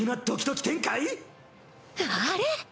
あれ！